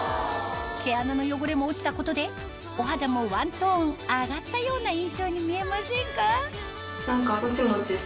毛穴の汚れも落ちたことでお肌もワントーン上がったような印象に見えませんか？